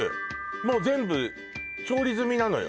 もう全部調理済みなのよ